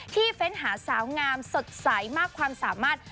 เฟ้นหาสาวงามสดใสมากความสามารถ